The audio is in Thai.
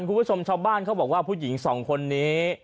คุณผู้ชมชาวบ้านเขาบอกว่าผู้หญิงสองคนนี้